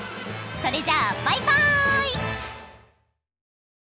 それじゃあバイバイ！